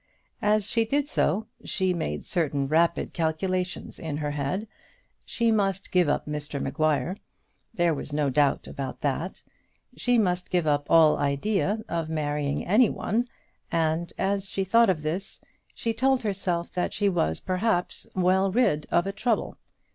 As she did so, she made certain rapid calculations in her head. She must give up Mr Maguire. There was no doubt about that. She must give up all idea of marrying any one, and, as she thought of this, she told herself that she was perhaps well rid of a trouble.